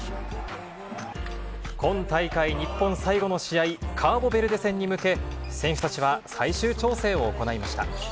今大会、日本最後の試合、カーボベルデ戦に向け、選手たちは最終調整を行いました。